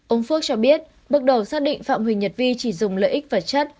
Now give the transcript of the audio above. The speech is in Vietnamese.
ông phước cho biết bước đầu xác định phạm huỳnh nhật vi chỉ dùng lợi ích và chất